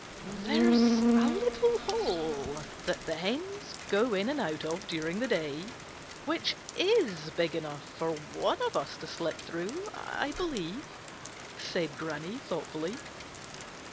"There's a little hole that the hens go in and out of during the day, which is big enough for one of us to slip through, I believe," said Granny thoughtfully.